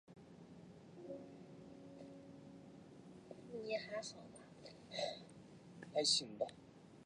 香港英治时期法官也译为按察司。